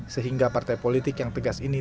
sehingga partai politik yang tegas ini